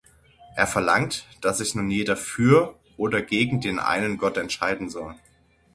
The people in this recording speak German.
Er verlangt, dass sich nun jeder für oder gegen den einen Gott entscheiden soll.